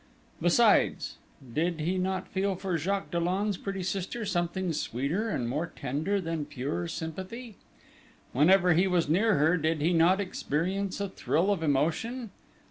Besides ... did he not feel for Jacques Dollon's pretty sister something sweeter and more tender than pure sympathy?... Whenever he was near her, did he not experience a thrill of emotion?